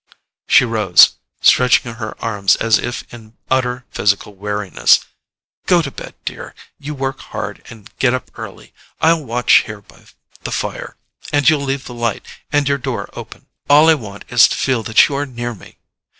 She rose, stretching her arms as if in utter physical weariness. "Go to bed, dear! You work hard and get up early. I'll watch here by the fire, and you'll leave the light, and your door open. All I want is to feel that you are near me."